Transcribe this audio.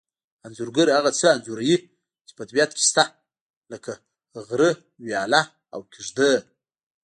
انځورګر هغه څه انځوروي چې په طبیعت کې شته لکه غره ویاله او کېږدۍ